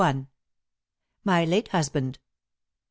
* *MY LATE HUSBAND.